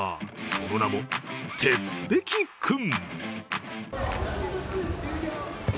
その名も鉄壁君。